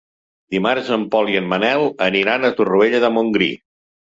Dimarts en Pol i en Manel aniran a Torroella de Montgrí.